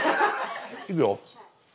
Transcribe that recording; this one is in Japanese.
いくよ。